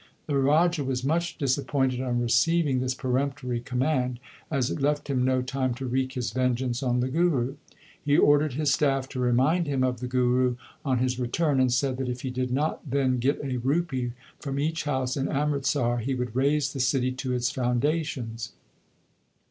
The Raja was much disap pointed on receiving this peremptory command, as it left him no time to wreak his vengeance on the Guru. He ordered his staff to remind him of the Guru on his return, and said that if he did not then get a rupee from each house in Amritsar, he would raze the city to its foundations.